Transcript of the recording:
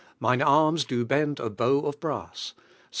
mine arms do bend a bow of brass" (Ps.